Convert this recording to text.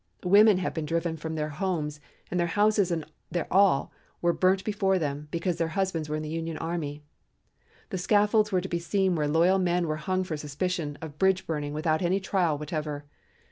Women have been driven from their homes, and their houses and their all were burnt before them, because their husbands were in the Union army. The scaffolds were to be seen where loyal men were hung for suspicion of bridge burning without any trial whatever.